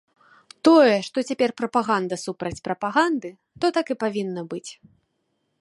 Тое, што цяпер прапаганда супраць прапаганды, то так і павінна быць.